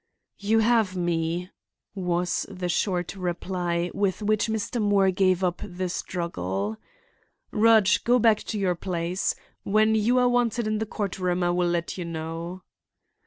"You have me," was the short reply with which Mr. Moore gave up the struggle. "Rudge, go back to your place. When you are wanted in the court room I will let you know."